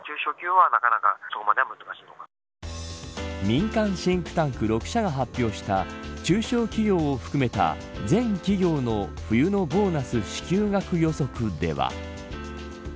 民間シンクタンク６社が発表した中小企業を含めた全企業の冬のボーナス支給額予測では。